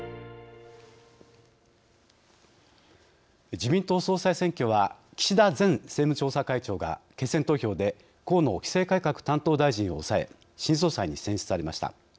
自民党総裁選挙は岸田前政務調査会長が決選投票で河野規制改革担当大臣を抑え新総裁に選出されました。